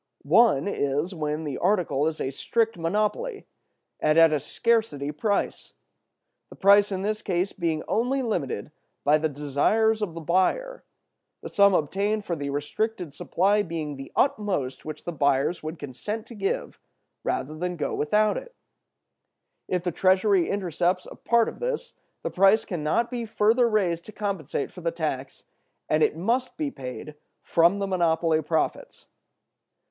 One is, when the article is a strict monopoly, and at a scarcity price. The price in this case being only limited by the desires of the buyer—the sum obtained for the restricted supply being the utmost which the buyers would consent to give rather than go without it—if the treasury intercepts a part of this, the price can not be further raised to compensate for the tax, and it must be paid from the monopoly profits.